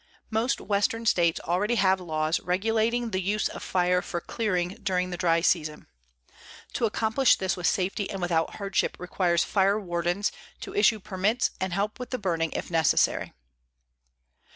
Most western states already have laws regulating the use of fire for clearing during the dry season. To accomplish this with safety and without hardship requires fire wardens to issue permits and help with the burning if necessary.